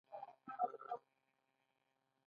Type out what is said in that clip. د هرات په زنده جان کې د څه شي نښې دي؟